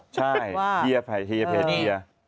ใช่เชียร์เพจเชียร์